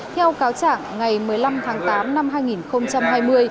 theo cáo trảng ngày một mươi năm tháng tám năm hai nghìn hai mươi